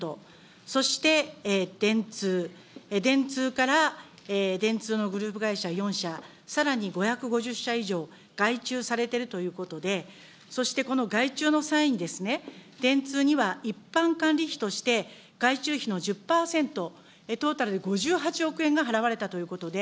そして電通、電通から電通のグループ会社４社、さらに５５０社以上、外注されてるということで、そしてこの外注の際に、電通には一般管理費として外注費の１０％、トータルで５８億円が払われたということで、